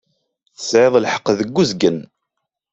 Tesɛiḍ lḥeqq deg uzgen.